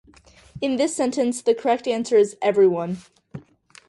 In this sentence, the correct answer is "Everyone".